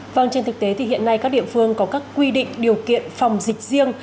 vâng trên thực tế thì hiện nay các địa phương có các quy định điều kiện phòng dịch riêng